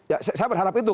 ya saya berharap itu